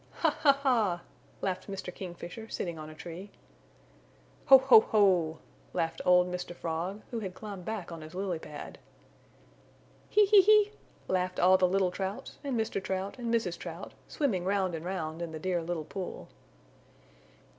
"Ha! Ha! Ha!" laughed Mr. Kingfisher, sitting on a tree. "Ho! Ho! Ho!" laughed old Mr. Frog, who had climbed back on his lily pad. "He! He! He!" laughed all the little Trouts and Mr. Trout and Mrs. Trout, swimming round and round in the Dear Little Pool.